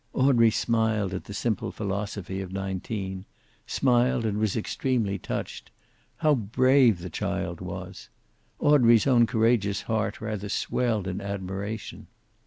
Audrey smiled at the simple philosophy of nineteen, smiled and was extremely touched. How brave the child was! Audrey's own courageous heart rather swelled in admiration.